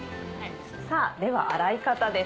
さぁでは洗い方です。